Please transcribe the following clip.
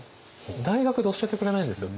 大学で教えてくれないんですよ。